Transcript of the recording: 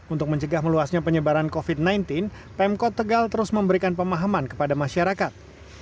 untuk mencegah meluasnya penyebaran covid sembilan belas pemkot tegal terus memberikan pemahaman kepada masyarakat